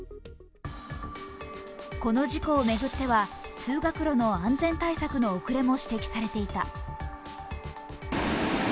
この事故を巡っては通学路の安全対策の遅れも指摘されていた。